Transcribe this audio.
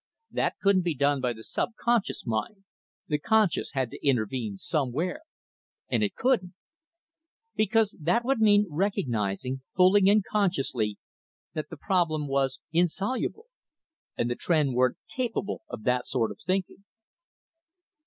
That couldn't be done by the subconscious mind; the conscious had to intervene somewhere. And it couldn't. Because that would mean recognizing, fully and consciously, that the problem was insoluble. And the Tr'en weren't capable of that sort of thinking.